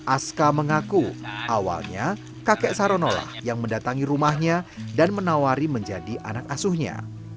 aska mengaku awalnya kakek sarono lah yang mendatangi rumahnya dan menawari menjadi anak asuhnya